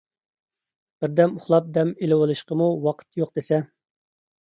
بىردەم ئۇخلاپ دەم ئېلىۋېلىشقىمۇ ۋاقىت يوق دېسە.